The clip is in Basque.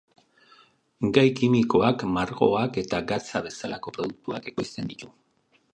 Gai kimikoak, margoak eta gatza bezalako produktuak ekoizten ditu.